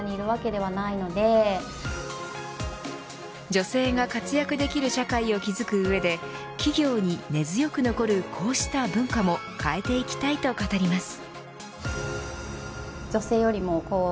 女性が活躍できる社会を築く上で企業に根強く残るこうした文化も変えていきたいと語ります。